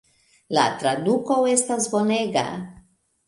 La traduko estas bonega.